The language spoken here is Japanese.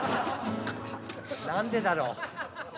何でだろう？